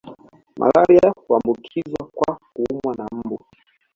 Malaria huambukizwa kwa kuumwa na mbu